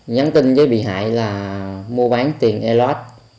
nhắn tin với bị hại là mua bán tiền elot